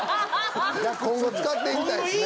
今後使っていきたいですね。